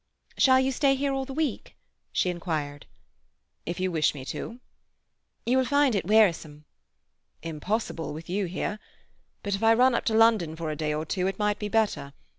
"Shall you stay here all the week?" she inquired. "If you wish me to." "You will find it wearisome." "Impossible, with you here. But if I run up to London for a day or two it might be better.